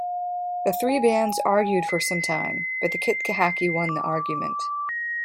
The three bands argued for some time, but the Kitkehaki won the argument.